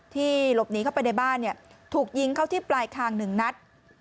หลบหนีเข้าไปในบ้านถูกยิงเข้าที่ปลายคาง๑นัด